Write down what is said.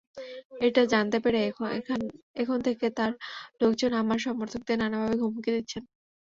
এটা জানতে পেরে এখন থেকে তাঁর লোকজন আমার সমর্থকদের নানাভাবে হুমকি দিচ্ছেন।